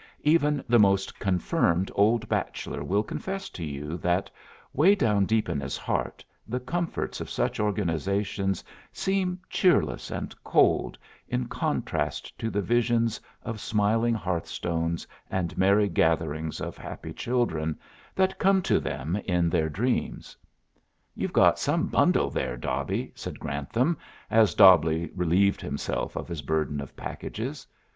Even the most confirmed old bachelor will confess to you that, way down deep in his heart, the comforts of such organizations seem cheerless and cold in contrast to the visions of smiling hearthstones and merry gatherings of happy children, that come to them in their dreams. "You've got some bundle there, Dobby," said Grantham, as Dobbleigh relieved himself of his burden of packages.